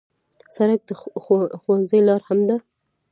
سړک د ښوونځي لار هم ده.